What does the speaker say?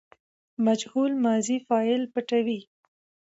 مجهول ماضي فاعل پټوي.